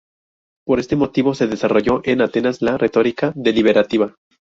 Por este motivo se desarrolló en Atenas la retórica deliberativa.